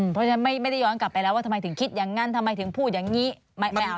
เพราะฉะนั้นไม่ได้ย้อนกลับไปแล้วว่าทำไมถึงคิดอย่างนั้นทำไมถึงพูดอย่างนี้ไม่เอา